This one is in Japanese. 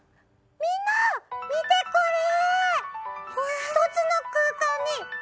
みんな見てこれ！